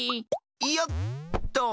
いよっと。